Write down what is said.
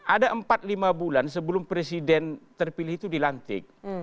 ada empat lima bulan sebelum presiden terpilih itu dilantik